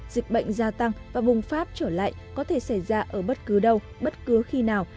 dịch bệnh gia tăng và bùng phát trở lại có thể xảy ra ở bất cứ đâu bất cứ khi nào